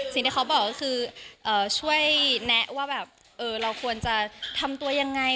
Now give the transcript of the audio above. สิ่งที่เขาบอกก็คือช่วยแนะว่าแบบเราควรจะทำตัวยังไง